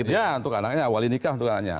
ya untuk anaknya awali nikah untuk anaknya